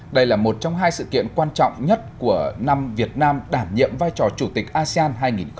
đây là một trong hai sự kiện quan trọng nhất của năm việt nam đảm nhiệm vai trò chủ tịch asean hai nghìn hai mươi